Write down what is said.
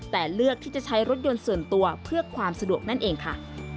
แต่เลือกที่จะใช้รถยนต์ส่วนตัวเพื่อความสะดวกนั่นเองค่ะ